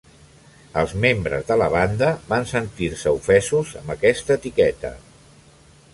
Els membres de la banda van sentir-se ofesos amb aquesta etiqueta.